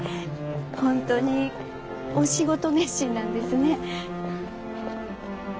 本当にお仕事熱心なんですね。